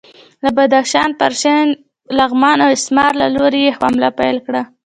له بدخشان، پنجشیر، لغمان او اسمار له لوري یې حمله پیل کړه.